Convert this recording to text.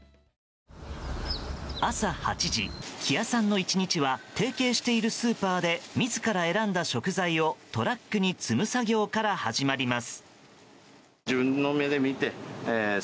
朝８時、木谷さんの１日は提携しているスーパーで自ら選んだ食材をトラックに積む作業から始まります。